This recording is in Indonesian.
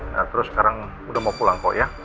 nah terus sekarang udah mau pulang kok ya